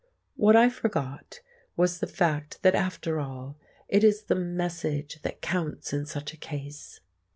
What I forgot was the fact that after all it is the Message that counts in such a case.